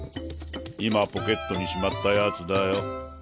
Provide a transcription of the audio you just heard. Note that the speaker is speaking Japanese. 今ポケットにしまったヤツだよ。